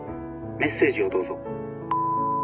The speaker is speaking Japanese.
メッセージをどうぞ」。